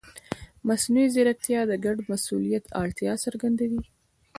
مصنوعي ځیرکتیا د ګډ مسؤلیت اړتیا څرګندوي.